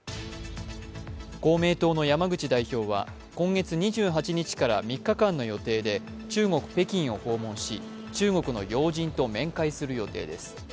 公明党の山口代表は今月２８日から３日間の予定で中国・北京を訪問し、中国の要人と面会する予定です。